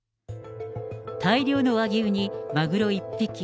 大量の和牛にマグロ１匹。